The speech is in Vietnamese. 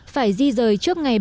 phải di rời